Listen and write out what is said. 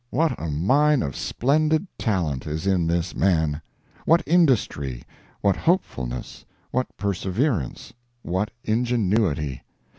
What a mine of splendid talent is in this man! what industry, what hopefulness, what perseverance, what ingenuity!